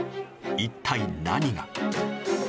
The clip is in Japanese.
一体、何が。